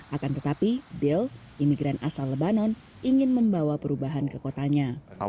akan tetapi bill imigran asal lebanon ingin membawa perubahan ke kotanya